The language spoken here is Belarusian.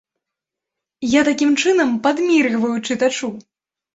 Я такім чынам падміргваю чытачу.